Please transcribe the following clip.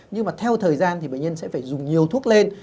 nhưng mà theo thời gian thì bệnh nhân sẽ phải dùng nhiều thuốc lên